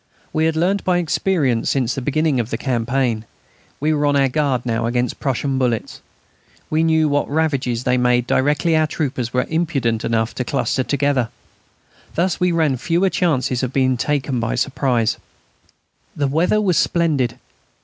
We had learnt by experience since the beginning of the campaign. We were on our guard now against Prussian bullets. We knew what ravages they made directly our troopers were imprudent enough to cluster together. Thus we ran fewer chances of being taken by surprise. The weather was splendid.